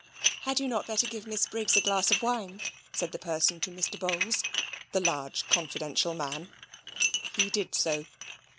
"Had you not better give Miss Briggs a glass of wine?" said the person to Mr. Bowls, the large confidential man. He did so.